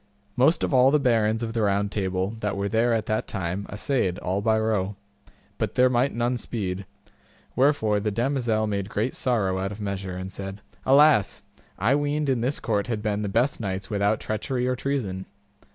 Most of all the barons of the Round Table that were there at that time assayed all by row, but there might none speed; wherefore the damosel made great sorrow out of measure, and said, Alas! I weened in this court had been the best knights without treachery or treason.